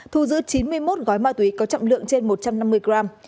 thu giữ chín mươi một gói ma túy có trọng lượng trên một trăm năm mươi gram